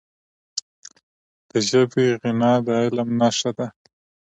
د ژبي غنا د علم نښه ده.